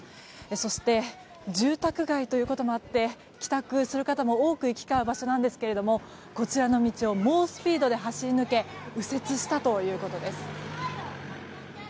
そして住宅街ということもあって帰宅する方も多く行き交う場所なんですけれどもこちらの道を猛スピードで走り抜け右折したということです。